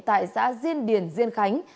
tại xã diên điển diên khánh